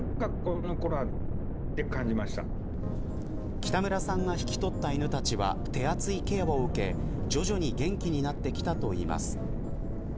北村さんが引き取った犬たちは手厚いケアを受け、徐々に元気になってきたといいます。